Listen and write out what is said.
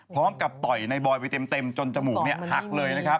พร้อมกับต่อยในบลอยไปเต็มจนจมูกหักเลย